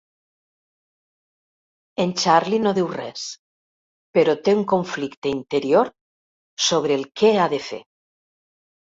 En Charlie no diu res, però té un conflicte interior sobre el que ha de fer.